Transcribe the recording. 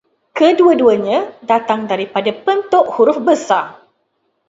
Kedua-duanya datang daripada bentuk huruf besar